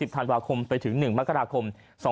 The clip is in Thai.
ธันวาคมไปถึง๑มกราคม๒๕๖